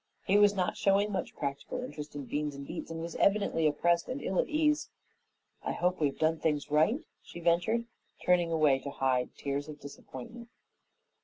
He was not showing much practical interest in beans and beets, and was evidently oppressed and ill at ease. "I hope we have done things right?" she ventured, turning away to hide tears of disappointment.